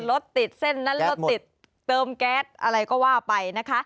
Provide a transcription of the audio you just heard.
รถติดเส้นนั้นรถติดเติมแก๊สอะไรก็ว่าไปนะคะ